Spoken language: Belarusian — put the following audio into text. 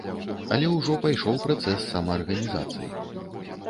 Але ўжо пайшоў працэс самаарганізацыі.